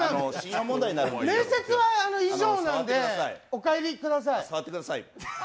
面接は以上なので、お帰りください。